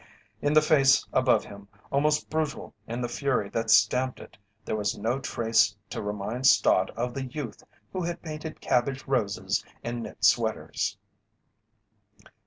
In the face above him, almost brutal in the fury that stamped it, there was no trace to remind Stott of the youth who had painted cabbage roses and knit sweaters.